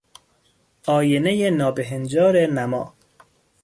آینهی نابهنجار نما